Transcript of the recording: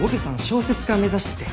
小説家目指してて。